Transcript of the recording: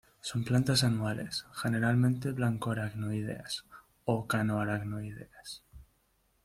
Son plantas anuales, generalmente blanco-araenoideas o cano-aracnoideas.